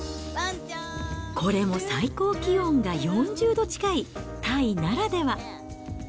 これも最高気温が４０度近いタイならでは。